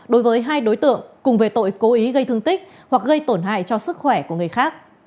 đối với hai đối tượng cùng về tội cố ý gây thương tích hoặc gây tổn hại cho sức khỏe của người khác